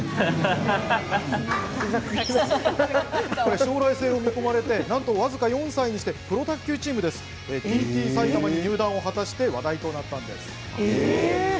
将来性を見込まれてなんと僅か４歳にしてプロ卓球チームＴ．Ｔ彩たまに入団を果たし話題となりました。